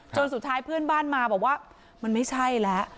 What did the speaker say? สุดท้ายเพื่อนบ้านมาบอกว่ามันไม่ใช่แล้ว